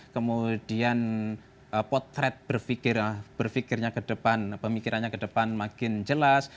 kemudian potret berpikirnya ke depan pemikirannya ke depan makin jelas